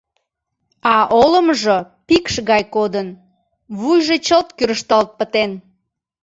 А олымжо пикш гай кодын, вуйжо чылт кӱрышталт пытен.